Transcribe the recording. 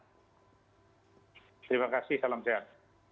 terima kasih salam sehat